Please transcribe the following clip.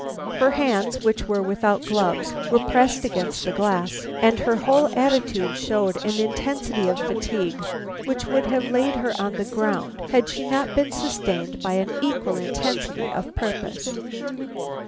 Her hands, which were without gloves, were pressed against the glass, and her whole attitude showed an intensity of fatigue which would have laid her on the ground had she not been sustained by an equal intensity of purpose.